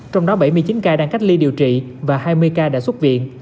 trong đó bảy mươi chín ca đang cách ly điều trị và hai mươi ca đã xuất viện